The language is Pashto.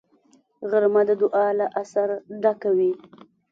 غرمه د دعا له اثره ډکه وي